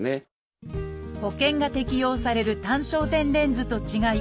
保険が適用される単焦点レンズと違い